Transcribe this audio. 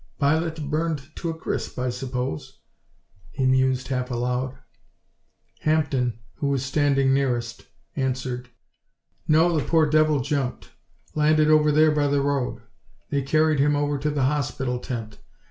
"Pilot burned to a crisp, I suppose," he mused half aloud. Hampden, who was standing nearest, answered: "No, the poor devil jumped. Landed over there by the road. They carried him over to the hospital tent.